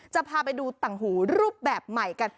จะพาไปดูตังค์หูรูปแบบใหม่